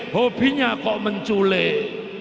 hobinya kok menculik